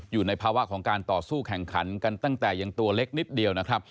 อยู่ในภาวะของการต่อสู้แข่งขันกันตั้งแต่ยังตัวเล็กนิดเดียวนะครับ